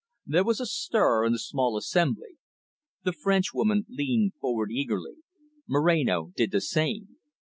There was a stir in the small assembly. The Frenchwoman leaned forward eagerly; Moreno did the same.